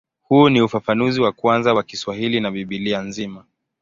Huu ni ufafanuzi wa kwanza wa Kiswahili wa Biblia nzima.